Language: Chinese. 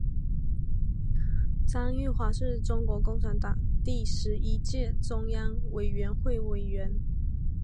张玉华是中国共产党第十一届中央委员会委员。